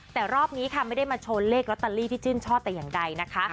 แต่รอบนี้ค่ะไม่ได้มาโชว์เลขลอตเตอรี่ที่ชื่นชอบแต่อย่างใดนะคะ